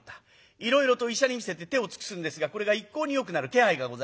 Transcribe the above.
いろいろと医者に診せて手を尽くすんですがこれが一向によくなる気配がございませんで。